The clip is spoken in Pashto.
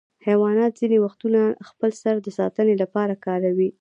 حیوانات ځینې وختونه خپل سر د ساتنې لپاره کاروي.